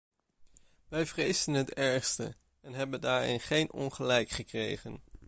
Wij vreesden het ergste en hebben daarin geen ongelijk gekregen.